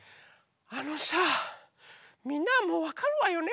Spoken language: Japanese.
あのさあみんなはもうわかるわよね？